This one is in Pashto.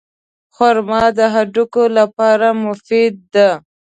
خرما د هډوکو لپاره مفیده ده.